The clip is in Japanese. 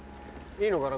いいのかな？